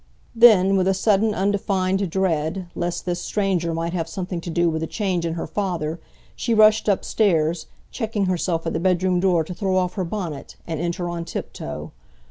Then, with a sudden undefined dread lest this stranger might have something to do with a change in her father, she rushed upstairs, checking herself at the bedroom door to throw off her bonnet, and enter on tiptoe.